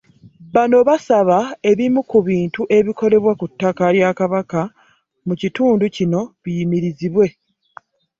Bano basaba ebimu ku bintu ebikolebwa ku ttaka lya Kabaka mu kitundu kino biyimirizibwe.